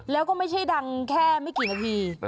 แล้วก็ไม่ใช่ดังแค่ไม่กี่นาที